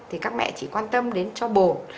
thì các mẹ chỉ quan tâm đến cho bồn